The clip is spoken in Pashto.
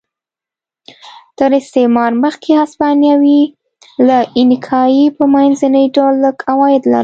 تر استعمار مخکې هسپانوي له اینکایي په منځني ډول لږ عواید لرل.